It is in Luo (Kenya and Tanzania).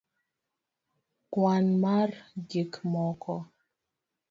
kwan mar gik moko?